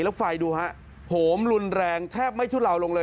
แล้วไฟดูฮะโหมรุนแรงแทบไม่ทุเลาลงเลย